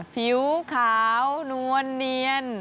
ผิวขาวนวลเนียน